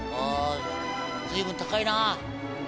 ずいぶん高いな。